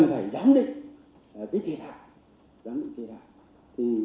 để giám sát các hoạt động thu thập